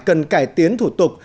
cần cải tiến thủ tục